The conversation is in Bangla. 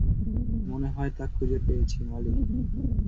মনে হয় তা খুঁজে পেয়েছি, মলি।